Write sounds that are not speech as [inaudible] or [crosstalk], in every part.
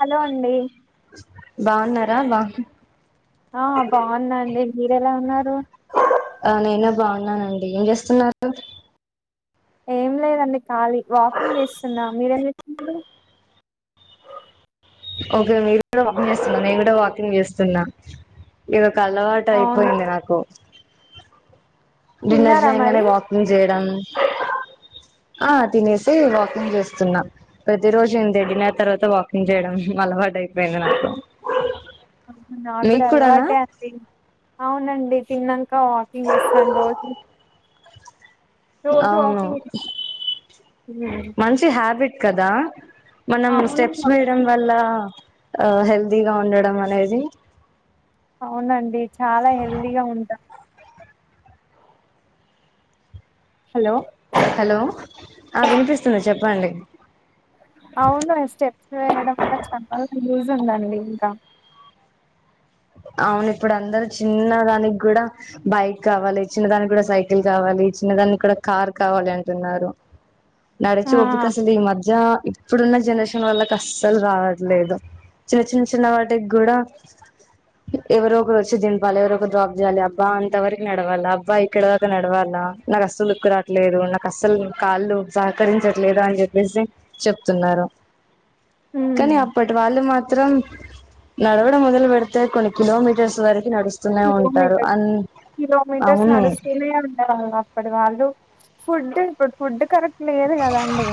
Hello అండి బాగున్నారా ఎందిరా ఆ బాగున్నా అండి. మీరు ఎలా ఉన్నారు. ఆ నేను బాగున్నానండి. ఏం చేస్తున్నారు ఏం లేదండి ఖాళీ వాకింగ్ చేస్తున్నా మీరేం చేస్తున్నారు. ఓకే మీరు కూడా వాకింగ్ చేస్తున్నార. నేను కూడా వాకిం గ్ చేస్తున్నా ఇగ రో జు అలవాటు అవునా అయిపోయింది. నాకు డిన్నర్ తిన్నారా చేయంగనే మరి వాకింగ్ చేయడం ఆ తినేసి వాకింగ్ చేస్తున్నా ప్రతి రోజు ఇంతే డిన్నర్ తర్వాత వాకింగ్ చేయడం అలవాటు అయిపోయింది. నాకు నాకు గూడ మీకు కూడానా అలవాటే అండి అవునండి. తిన్నాంక వాకింగ్ చేస్తాను. రోజు రోజు అవును వాకింగ్ చేస్తాను. మంచి హ్యాబిట్ కా దా మనం అవును స్టెప్స్ వేయడం వల్ల ఆ హెల్దీగా ఉండడం అనేది అవునండి. చాలా హెల్తీగా ఉంటా హలో హలో ఆ వినిపిస్తుంది చెప్పండి అవును స్టెప్స్ వేయడం వల్ల చాలా బాగ యూస్ ఉందండి ఇంకా అవును ఇప్పుడు అందరు చిన్నదానికి కూడా బైక్ కావాలి చిన్నదానికి కూడా సైకిల్ కావాలి చిన్నదానికి కూడా కార్ కావాలి అంటున్నారు నడిచి ఆ ఓపిక అసలు ఈ మధ్య ఇప్పుడున్న జనరేషన్ వాళ్ళకి అస్సలు రావట్లేదు చిన్న చిన్న చిన్న వాటికి కూడా ఎవరో ఒకరు వచ్చి దింపాలి ఎవరొ ఒకరు డ్రాప్ చేయాలి అబ్బా అంత వరకు నడవాల అబ్బా ఇక్కడ దక నడవాలా నాకు అస్లుక్కు రావట్లేదు నాకు అస్సలు కాళ్ళు సహకరించట్లేదు అని చెప్పేసి చెప్తున్నారు ఉమ్, కానీ అప్పటి వాళ్ళు మాత్రం నడవడం మొదలు పెడితే కొనీ కిలోమీటర్స్ వరకు నడుస్తూనే ఉంటారు కిలోమీటర్స్ అన్ కిలోమీటర్స్ అవును నడుస్తూనే ఉందేవళ్ళు అప్పటి వాళ్ళు ఫుడ్ ఇప్పుడు ఫుడ్ కరెక్ట్ లేదు కదండి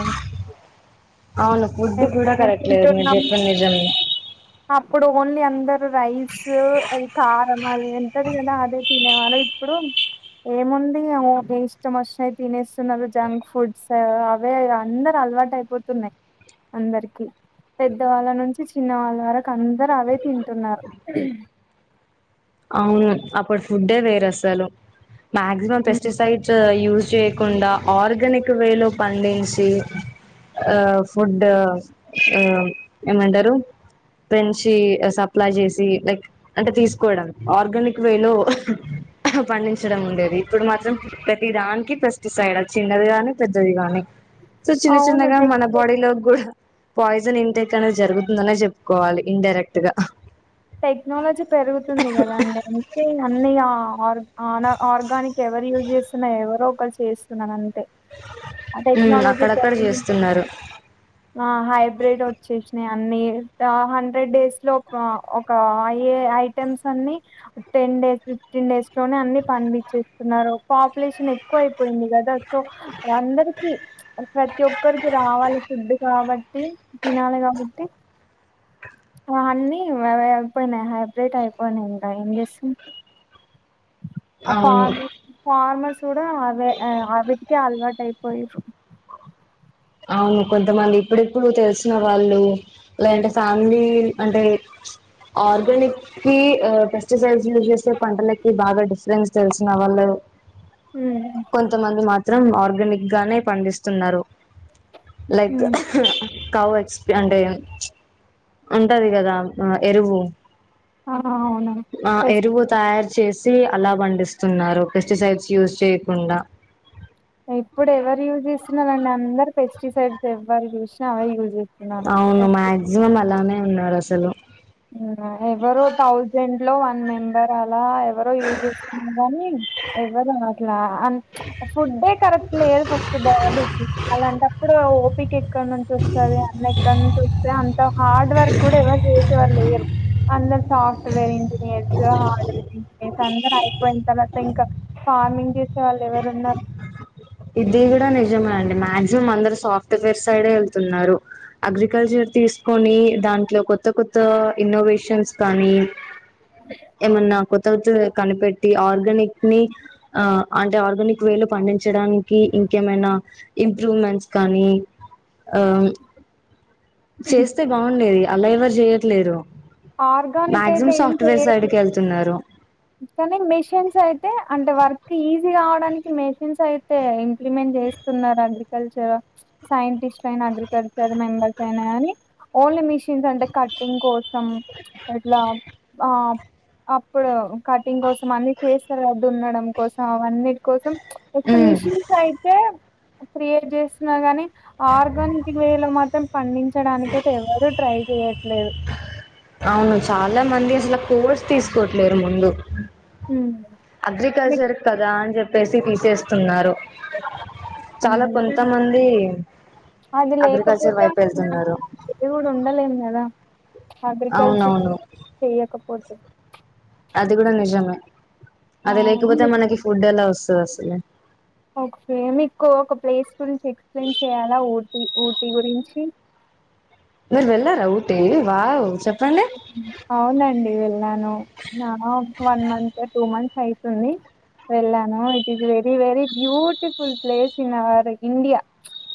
అవును ఫుడ్ కూడా కరెక్ట్ లేదు మీరు చెప్పింది నిజమే అప్పుడు ఓన్లీ అందరూ రైస్ ఇంకా ళ్ళ ఎంతది కదా అదే తినే వాళ్ళు ఇప్పుడు ఏముంది ఓకే ఇష్టం వష్టమయి తినేస్తున్నారు జంక్ ఫుడ్స్ అవే అందరు అలవాటు అయిపోతున్నాయి అందరికి పెద్ద వాళ్ళ నుంచి చిన్న వాళ్ళ వరకు అందరు అవే తింటున్నారు అవును అప్పుడు ఫుడ్ ఏ వేరు అసలు మాక్సిమం పెస్టిసైడ్స్ యూస్ చేయకుండా ఆర్గానిక్ వే లో పండించి ఆ ఫుడ్ ఏమంటారు పెంచి సప్లై చేసి లైక్ అంటే తీసుకోవడం ఆర్గానిక్ వే లో పండించడం ఉండేది ఇప్పుడు మాత్రం ప్రతి దానికి ప్ర టిసైడ్ చిన్నది గాని పెద్దది గాని సో చిన్న అవును చిన్నగా మన టెక్ బాడీ లో కూడా పాయిజన్ ఇంటేక్ అనేది జరుగుతుందనే చెప్పుకోవాలి ఇన్డైరెక్ట్ గా టెక్నోాలజీ పెరుగుతుంది కదా అండి అంతే అన్ని ఆర్ ఆనా ఆర్గానిక్ ఎవరు యూజ్ చేస్తున్నా ఎవరో ఒకరు చేస్తున్నాను అంతే ఆ ఉమ్, టెక్నాలజీ అక్కడక్కడ చేస్తున్నారు హైబ్రిడ్ వచ్చేసిన అన్ని హండ్రెడ్ డేస్ లో ఏ ఐటమ్స్ అన్ని టెన్ డేస్ ఫిఫ్టీన్ డేస్ లోనే అన్ని పండిించేస్తున్నారు పాపులేషన్ ఎక్కువ అయిపోయింది కదా సో అందరికి ప్రతి ఒక్కరికి రావాలి ఫుడ్ కాబట్టి తినాలి కాబట్టి అన్ని అయిపోయినాయి హైబ్రేట్ అయిపోయినాయి ఇంకా ఏం చేస్తాం ఆ అవును ఫార్ ఫార్మర్స్ కూడా ఆవి ఆవిటికి అలవాటు అయి పోయిండ్రు అవును కొంతమంది ఇప్పుడిప్పుడు తెలిసిన వాళ్ళు లేంటే ఫ్యామిలీ అంటే ఆర్గానిక్ కి పెస్టిసైడ్స్ లు చేసే పంటలకి బాగా డిఫరెన్స్ తెలిసిన వాళ్ళు కొంతమంది మా మాత్రం ఆర్గానిక్ గానే పండిస్తున్నారు లైక్ ఉమ్ కావ ఎక్స్పి అంటే ఉంటది కదా ఎరువు ఆ అవును ఆ పెస్ట్ ఎరువు తయారు చేసి అలా పండిస్తున్నారు పెస్టిసైడ్స్ యూస్ చేయకుండా అవునండి అందరు పెస్టిసైడ్స్ ఎవ్వరు చూసినా అవే అవును చేస్తున్నారు మాక్సిమం అలానే ఉన్నారు అసలు ఎవరు థౌజండ్ లో వన్ మెంబర్ అలా ఎవరో యూజ్ చేస్తున్నారు గాని ఎవ్వరూ అనట్లా అం ఫుడ్డే కరెక్ట్లేదు ఫస్ట్ బాడి అలాంటప్పుడు ఓపిక ఎక్కడ నుంచి వస్తది అన్న ఎక్కడ నుంచి వస్తే అంత హార్డ్ వర్క్ కూడా ఎవరు చేయ లేరు అందరు సాఫ్ట్వేర్ ఇంజనీర్స్ హార్డ్వేర్ ఇంజనీర్స్ అందరు అయిపోయిన తర్వాత ఇంకా ఫార్మింగ్ చేసే వాళ్ళు ఎవరు ఉన్నారు ఇది కూడా నిజమే అండి మ మాక్సిమం అందరు సాఫ్ట్వేర్ సైడ్ ఎళ్తున్నారు అగ్రికల్చర్ తీసుకొని దాంట్లో కొత్త కొత్త ఇన్నోవేషన్స్ కానీ ఏమన్నా కొత్త కొత్త కనిపెట్టి ఆర్గానిక్ ని ఆ అంటే ఆర్గానిక్ వేలో పండించడాన్ కి ఇంకేమైనా ఇంప్రూవ్మెంట్స్ కానీ ఆ చేస్తే బాగుండేది అలా ఎవరు చెయ్యట్లేరు ఆర్గానిక్ అయితే మాక్సిమం ఏం సాఫ్ట్వేర్ చేయట్లేదు సైడుకే ఎళ్తున్నారు కానీ మెషిన్స్ అయితే అంటే వర్క్ ఈజీ కావడానికి మెషిన్స్ అయితే ఇంప్లిమెంట్ చేస్తున్నారు అగ్రికల్చర్ సైంటిస్ట్ లైనా అగ్రికల్చర్ మెంబర్స్ అయినా కాని ఓన్లీ మిషన్స్ అంటే కట్టింగ్ కోసం ఎట్లా అప్ అప్పుడు కటింగ్ కోసం అన్ని చేస్తరు కదా దున్నడం కోసం అవన్నిటి కోసం ఉత్త మెషీన్స్ ఐతే క్రియేట్ చేస్తున్నారు గాని ఆ ఆర్గానిక్ వేల మాత్రం పండించడానికి అయితే ఎవరు ట్రై చేయట్లేదు అవును చాలా మంది అసలు కోర్స్ తీసుకోట్లేరు ముందు ఉమ్ అగ్రికల్చర్ కదా అని చెప్ ప్పేసి తీసేస్తున్నారు చాలా ఉహు పెన్ కొంతమంది అది అగ్రికల్చర్ లేకపోతే వైపు అసలు మన వెళ్తున్నారు మనుషులు కూడా ఉండలేము కదా అగ్రికల్చర్ అవునవును చేయకపో తే అది కూడా నిజమే ఆ అది లేకపోతే మనకి ఫుడ్ ఎలా వస్ తే వస్తది ఓకే మీకు ఒక ప్లేస్ గురించి ఎక్స్ప్లెయిన్ చేయాలా ఊటీ ఊటీ గురించి మీరు వెళ్ళారా ఊటీ వావ్ చెప్ అవునండి వెళ్ళాను నా వన్ మంత్ టూ మంత్ అయితుంది వెళ్ళాను it is very very beautiful place in our India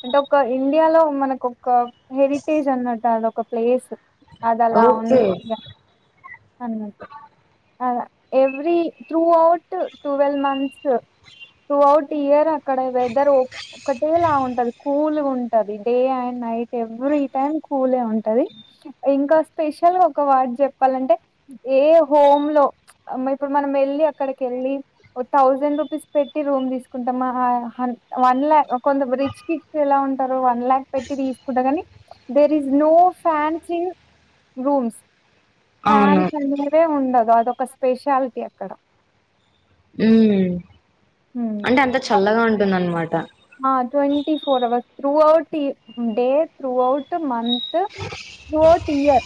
అంటే ఒక ఇండియాలో మనకు ఒక హెరిటేజ్ అన్నట్టు అదొక ప్లేస్ అదలా అవు ఓకే ఊటీగా అన్నట్టు ఆ every throughout twelve months throughout year అక్కడ వెదర్ ఒకటే లా ఉంటది కూల్గా ఉంటది day and night every time కూలే ఉంటది ఇంకా స్పెషల్ తెలుగుల ఒక వడ్ చెప్పాలంటే ఏ హోమ్ లో అమ్మ ఇప్పుడు మనం వెళ్ళి అక్కడికి వెళ్ళి థౌసండ్ రూపీస్ పెట్టి రూమ్ తీసుకుంటాం ఆ హాన్ వన్ ల్యాక్ ఆ కొందరు రిచ్ కిడ్స్ ఎలా ఉంటారో వన్ లాక్ పెట్టి తీసుకుంటాం కానీ there is no fencing rooms అవును ఫ్యాన్స్ అనేదే ఉండదు అదో ఒక స్పెషాలిటీ అక్కడ ఉ హ్మ్ అంటే అంత చల్లగా ఉంటుంద అన్నమాట ఆ twenty four hours throughout ఈ డే త్రూ ఔట్ మంత్ తో ట్రూ అవుట్ ఇయర్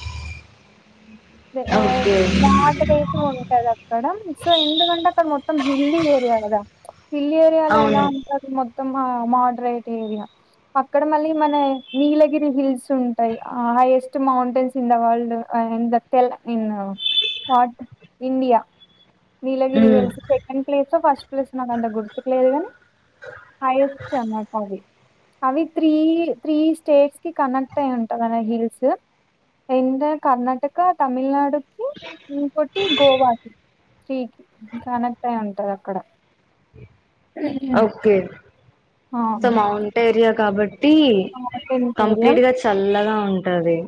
ఓకే మాట రైతు ఉంటది అక్కడ సో ఎందుకంటే అక్కడ మొత్తం హిల్లీ ఏరియా కదా హిల్ ఏరియాలో ఎలా అవును ఉంటారు మద్ త్తము మోడరేట్ ఏరియా అక్కడ మళ్ళీ మన నీలగిరి హిల్స్ ఉంటాయి highest mountains in the world and the తెల్ in pot India Nilgiri um hills second place first place నాకుంత గుర్తుకు లేదు కాని హైయెస్ట్ అన్నమాట అవి అవి త్రీ త్రీ స్టేట్స్ కి కనెక్ట్ అయి ఉంటుందిన్న హిల్స్ ఎటా కర్ణటక ఇంకా తమిళనాడుకి ఇంకోటి గోవాకి త్రికి కనెక్ట్ అయి ఉంటది అక్కడ ఓకే సో అవును, మౌంట్ ఏరియా కాబ టి మౌంటైన్స్ ఏరియా కంప్లీట్ గా చల్లగా ఉంటది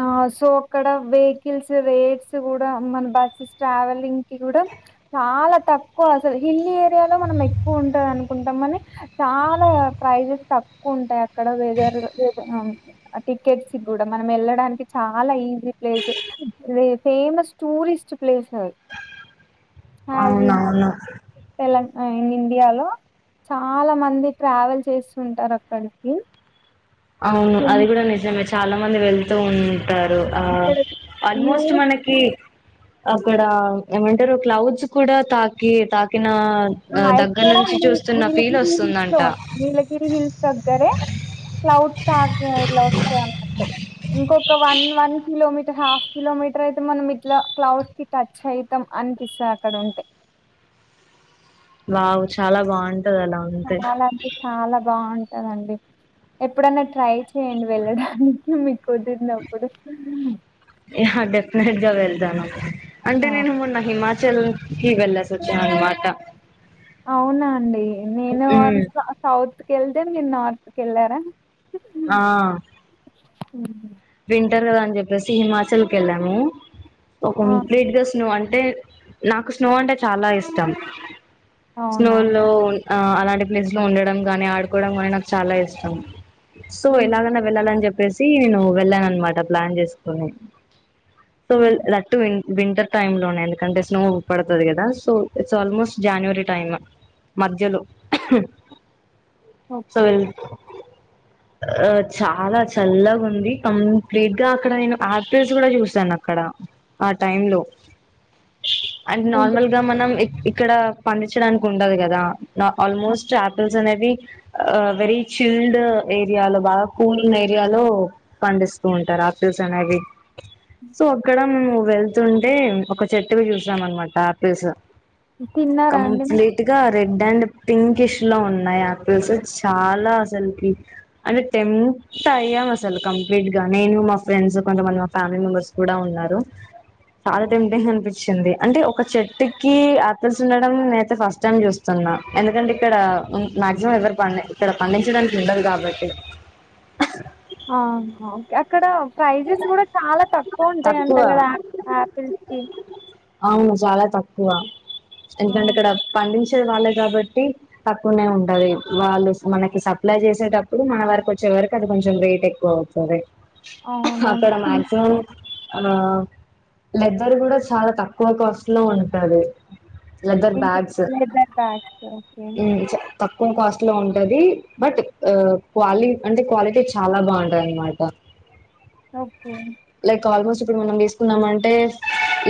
ఆ సో అక్కడ వెహికల్స్ వేర్స్ కూడా మన బస్సెస్ ట్రావెలింగ్ కి కూడా చాలా తక్కువ అసలు హిల్లీ ఏరియాలో మనం ఎక్కువ ఉంటాం అనుకుంటాం మని చాలా ప్రైజెస్ తక్కువ ఉంటాయి అక్కడ వెదర్ టికెట్స్ కి కూడా మన ఏళ్ళ డానికి చాలా easy place famous tourist place అ అవునవును విన్ ఇండియాలో చాలా మంది ట్రావెల్ చేస్తు ఉంటారు అక్కడికి. అవును అది కూడా నిజమే చాలామంది వెళ్తూ ఉన్ టారూ ఆ అక్కడ ఆల్మోస్ట్ వ్యూస్ మనకి అక్కడ ఏమంటారు క్లౌజ్స్ కూడా తాకి తాకి ఆ ఎక్కడ నీ ఫీల్ నీలగిరి హిల్స్ వస్తుందంట. లో నీలగిరి హిల్స్ దగ్గరే క్లౌడ్స్ తాకె ఇదిలా వస్తానంటూ ఇంకొక్క one one kilometre half kilometre అయితే మనం ఇట్లా క్లౌడ్స్ కి టచ్ అయితాం అనిపిస్తుంది అక్కడ ఉంటే. వావు చాలా బావుం చాలా అంటే చాలా బావుం టదండి ఎప్పుడన్నా ట్రై చేయండి వెళ్ళడానికి మిక్ కుదిరినప్పుడు యా డెఫినెట్ గా వెళ్తాను అంటే ఆ నేను మొన్న హిమాచల్ కి వేల్స్ అవునా అండి నేను హ్మ్ వన్స్ సౌత్ కేళ్తే మీరు నార్త్ కెల్లారా. ఆ ఉ వింటర్ కదా అని చెప్పేసి హిమాచల్కి వెళ్ళాము ఓ ఆ కంప్లీట్ గా స్నో అన్ టే నాకు స్నో అంటే చాలా ఇష్టం స్నో అవునా లోన్ ఆ అలాంటి ప్లేస్ లో ఉండడం కానీ ఆడుకోవడం కానీ నాకు చాలా ఇష్టం సో ఉమ్, ఎలాగన్న వెళ్ళాలని చెప్ పెసి నేను వెళ్ళాన్ అనమాట ప్లాన్ చేసుకొని సో ఉమ్, వెల్ లట్టు విన్ వింటర్ టైమ్ లోనే ఎందుకంటే స్నో పడుతది కదా so it's almost January time మధ్యలో సరేల్ ఓకే ఆ చాలా చల్లగ ఉంది కంప్లీట్ గా అక్కడ నేను ఆపిల్స్ కూడా చూసాను అక్కడ ఆ టైమ్ లో అండ్ నార్మల్ గా మనం ఇక్కడ పండించడానికి ఉండది కదా నా ఆల్మోస్ట్ ఆపిల్స్ అనేవి ఆ వెరీ చిల్డ్ ఏరియాలో బాగా కూల్ ఉన్న ఏరియాలో పండిస్తూ ఉంటారు ఆపిల్స్ అనేవి సో అక్కడం నూ వెళ్తున్ టే ఒక చెట్టును చూసాం అనమాట ఆపిల్స్ తిన్నారా అండి మీరు కంప్లీట్ గా రెడ్ అండ్ పింకిష్ లో ఉన్నాయి ఆపిల్స్ చాలా అసలుకి అంటే టెంప్ట్ అయ్యాం అసలు కమ్ ప్లీట్ గా నేను మా ఫ్రెండ్స్ కొంతమంది మా ఫ్యామిలీ మెంబర్స్ కూడా ఉన్నారు చాలా టెంప్టింగ్ అనిపించింది అంటే ఒక చెట్టుకి ఆపిల్స్ ఉండడం నేనయితే ఫస్ట్ టైం చూస్తున్నా ఎందుకంటే ఇక్కడ ఉమ్ మాక్సిమం ఎవరు పండిన్ ఇక్కడ పండించడానికి ఉండదు కాబట్టి ఆ అవు ఎక్కడ ప్రైజెస్ కూడా చాలా తక్కువ ఉంటాయంట కదా ఆపిల్స్ కి కువ ఆ ఎందుకంటే ఇక్కడ పండించ్ చే వాళ్ళే కాబట్టి తక్కువనే ఉంటది వాళ్ళు మనకి సప్లై చేసేటప్పుడు మన వరకు వచ్చే వరకు అది కొంచెం రేట్ ఎక్కువ అవుతది అవును అక్కడ మాక్సిమం ఆ లెద్దర్ కూడా చాలా తక్కువ కాస్ట్ లో ఉంటది leather bags leather bags okay ఉ చెప్ తక్కువ కాస్ట్ లో ఉంటది బట్ ఆ క్వాలి అంటే క్వాలిటీ చాలా బాగుంటది అనమాట ఓకే లైక్ ఆల్మోస్ట్ ఇప్పుడు మనం తీసుకున్నామంటే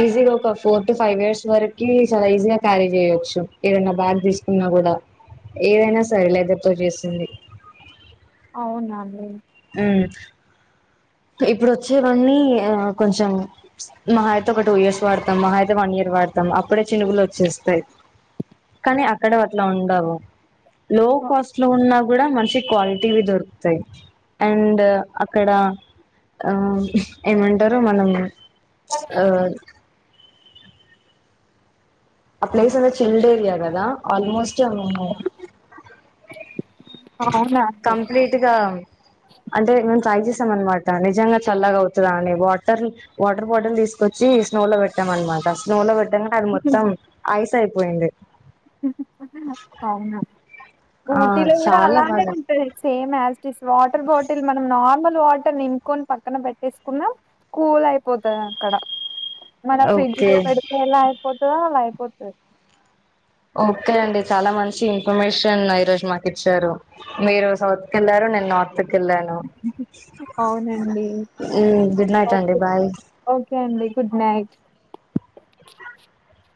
ఈజీగా ఒక ఫోర్ టు ఫైవ్ ఇయర్స్ వరకి చాలా ఈజీగా క్యారీ చేయొచ్చు ఏదైనా బ్యాగ్ తీసుకున్నా కూడా ఏదైనా సరే లెదర్ తో చేసింది. అవునా అండి హు ఇప్పుడు వచ్చేవన్నీ ఆ కొంచెం మాహ అయితే ఒక టూ ఇయర్స్ వాడతాం మాహా అయితే వన్ ఇయర్ వాడతాం అప్పుడే చినుగులు వచ్చేస్తాయి కానీ అక్కడ అట్లా ఉండవు లో కాస్ట్ లో ఉన్నా కూడా మంచి క్వాలిటీవి దొరుకుతాయి అండ్ అక్కడ ఆ ఏమంటారు మనం అ ఆ ప్లేస్ అనేది చిల్డ్ ఏరియాకదా ఆల్మోస్ట్ [inaudible] అవునా అండి కంప్లీట్గా అంటే మేం ట్రై చేస్ త్తమన్నమాట నిజంగా చల్లగా అవుతదా అని వాటర్ వాటర్ బాటిల్ తీసుకొచ్చి స్నో లో పెట్టాం అన్నమాట స్నో లో పెట్ టంగానే అది మొత్తం ఐస్ సయిపోయింది అవునా ఆ ఊటీలో కూడా చాలా అలానే బాగా ఉంటది సేమ్ మస్టిస్ వాటర్ బాటిల్ మనం నార్మల్ వాటర్ నిప్పుకోని పక్కన పెట్టేసుకున్నా కూల్ అయిపోతది అక్కడ మన ఫ్ర్రిజ ఓకే లో పెడతే ఏలా అయిపో దో అలా అయిపోతది ఓకే అండి చాలా మంచి ఇన్ఫర్మేషన్ ఈరోోజు మాకు ఇచ్చారు మీరు సౌత్ కి వెళ్ళారు నేను నార్త్ కెళ్ళాను అవునండి హు గుడ్ నైట్ ఓకే అండి బాయ్ ఓకే అండి గుడ్ [inaudible]